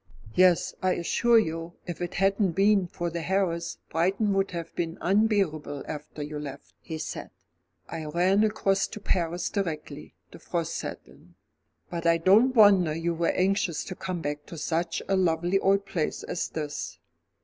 "Yes, I assure you, if it hadn't been for the harriers, Brighton would have been unbearable after you left," he said. "I ran across to Paris directly the frost set in. But I don't wonder you were anxious to come back to such a lovely old place as this."